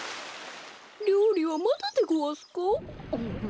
りょうりはまだでごわすか？